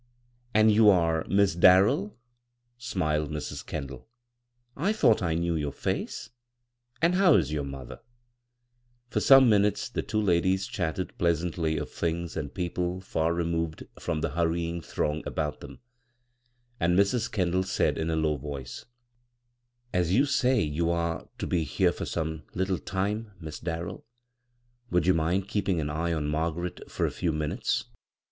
And you are Miss Darrell," smiled Mrs. Kendall. " I thought I knew your face. And how is your mother ?" For some minutes the two ladi^ chatted pleasantly of things and people tar re moved from the hurrying throng about them ; then Mrs. Kendall said in a low voice :" As you say you are to be here for somf little time, Miss Darrell, would you mind keeping an eye on Margaret for a lew min utes